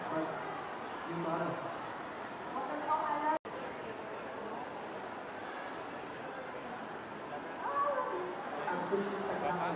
ขอบคุณมากสวัสดีครับ